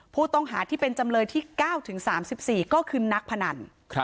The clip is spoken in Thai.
ผู้ต้องหาที่เป็นจำเลยที่๙๓๔ก็คือนักพนัน